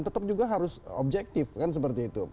tetap juga harus objektif kan seperti itu